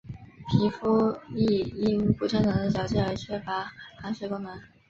皮肤亦因不正常的角质而缺乏防水功能。